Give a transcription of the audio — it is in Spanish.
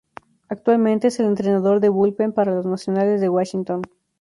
Actualmente es el entrenador de bullpen para los Nacionales de Washington.